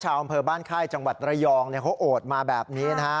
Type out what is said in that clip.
ชาวอำเภอบ้านไข้จังหวัดระยองเนี่ยเขาโอดมาแบบนี้นะฮะ